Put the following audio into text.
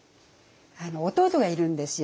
弟がいるんですよ